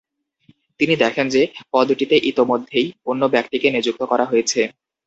তিনি দেখেন যে, পদটিতে ইতোমধ্যেই অন্য ব্যক্তিকে নিযুক্ত করা হয়েছে।